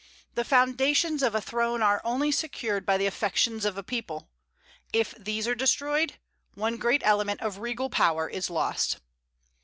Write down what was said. The foundations of a throne are only secured by the affections of a people; if these are destroyed, one great element of regal power is lost.